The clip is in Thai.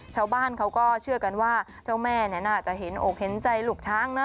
ชาวบ้านเขาก็เชื่อกันว่าเจ้าแม่น่าจะเห็นอกเห็นใจลูกช้างนะ